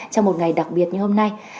trong một ngày đặc biệt như hôm nay